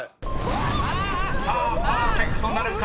［さあパーフェクトなるか］